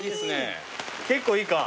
結構いいか。